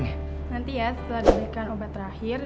nanti ya setelah diberikan obat terakhir